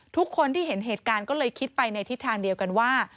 ทุกคนที่เห็นเหตุการณ์ก็เลยคิดไปในทิศทางเดียวกันว่า